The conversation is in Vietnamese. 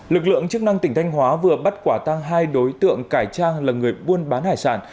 lực lượng chức năng tỉnh thanh hóa vừa bắt quả tăng hai đối tượng cải trang là người buôn bán hải sản